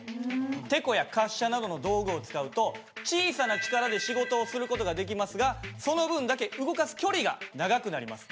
てこや滑車などの道具を使うと小さな力で仕事をする事ができますがその分だけ動かす距離が長くなります。